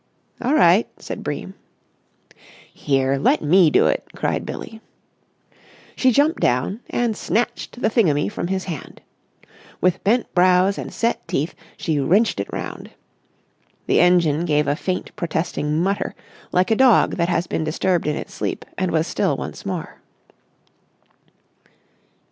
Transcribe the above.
"All right," said Bream. "Here, let me do it," cried Billie. She jumped down and snatched the thingummy from his hand. With bent brows and set teeth she wrenched it round. The engine gave a faint protesting mutter, like a dog that has been disturbed in its sleep, and was still once more.